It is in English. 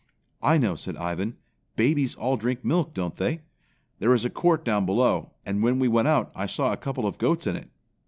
"I know," said Ivan. "Babies all drink milk, don't they? There is a court down below, and when we went out I saw a couple of goats in it."